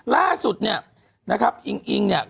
ล่าสุดเนี่ย